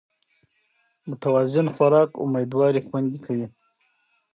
متوازن خوراک امېدواري خوندي کوي